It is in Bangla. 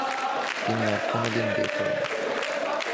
তিনি আর কোনো বিয়ে করেননি।